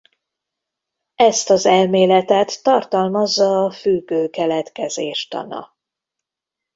Ezt az elméletet tartalmazza a függő keletkezés tana.